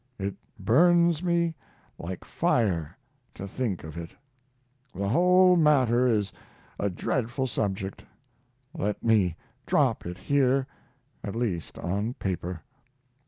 It burns me like fire to think of it. The whole matter is a dreadful subject. Let me drop it here at least on paper.